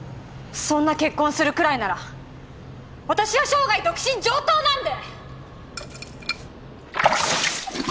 そんな結婚するくらいなら私は生涯独身上等なんで！